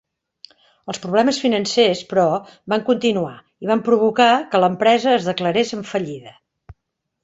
Els problemes financers, però, van continuar i van provocar que l'empresa es declarés en fallida.